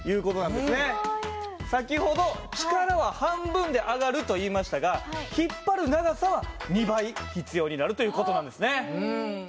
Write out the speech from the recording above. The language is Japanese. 先ほど力は半分で上がると言いましたが引っ張る長さは２倍必要になるという事なんですね。